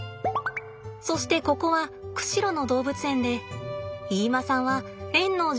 そしてここは釧路の動物園で飯間さんは園の獣医師なのです。